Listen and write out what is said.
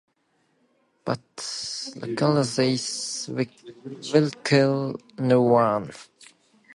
But Lucilla says, We will kill no one.